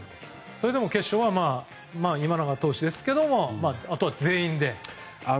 それでも決勝は今永投手ですけどもあとは全員で？